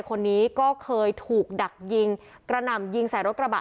คนนี้ก็เคยถูกดักยิงกระหน่ำยิงใส่รถกระบะ